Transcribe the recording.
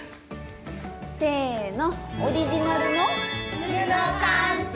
せの！